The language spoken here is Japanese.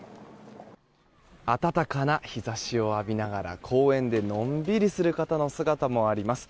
暖かな日差しを浴びながら公園でのんびりする方の姿もあります。